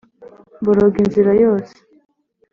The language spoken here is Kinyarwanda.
mboroga inzira yose